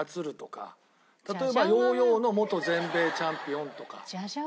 例えばヨーヨーの元全米チャンピオンとか。